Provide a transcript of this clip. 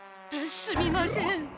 すみません。